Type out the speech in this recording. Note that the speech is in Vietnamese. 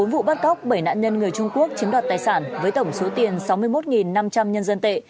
bốn vụ bắt cóc bảy nạn nhân người trung quốc chiếm đoạt tài sản với tổng số tiền sáu mươi một năm trăm linh nhân dân tệ